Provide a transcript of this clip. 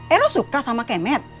eros suka sama kemet